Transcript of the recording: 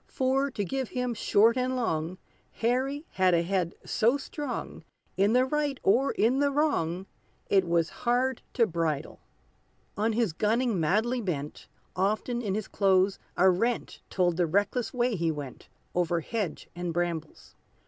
For, to give him short and long, Harry had a head so strong, In the right or in the wrong, It was hard to bridle. On his gunning madly bent, Often in his clothes a rent Told the reckless way he went, Over hedge and brambles.